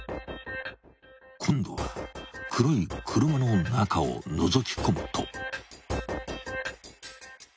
［今度は黒い車の中をのぞき込むと］